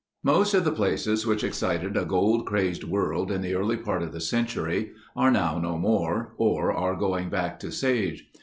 Most of the places which excited a gold crazed world in the early part of the century are now no more, or are going back to sage.